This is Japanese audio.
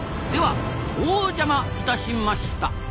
ではおうじゃまいたしました！